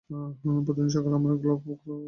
প্রতিদিন সকালে আমরা গলফ ক্লাবে যেতাম।